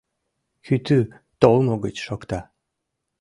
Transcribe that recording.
Кӱтӱ толмо гыч шокта.